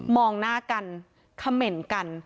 มองหน้ากันเขม่นกัน